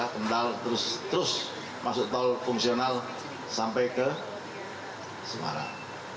kendal terus masuk tol fungsional sampai ke semarang